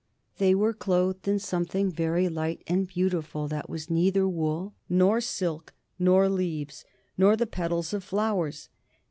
They were clothed in something very light and beautiful, that was neither wool, nor silk, nor leaves, nor the petals of flowers.